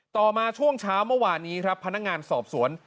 ต่อมาช่วงเช้าเมื่อวานนี้ครับพนักงานสอบสวน